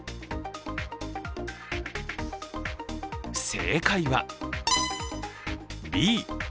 正解はＢ。